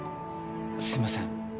すみません。